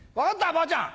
ばあちゃん